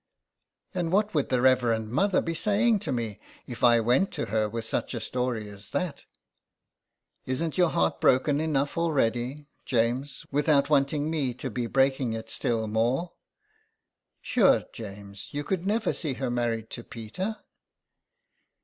'' And what would the Reverend Mother be saying to me if I went to her with such a story as that ? Isn't your heart broken enough already, James, with out wanting me to be breaking it still more ? Sure, James, you could never see her married to Peter?